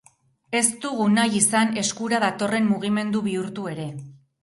Ez dugu nahi izan eskura datorren mugimendu bihurtu ere.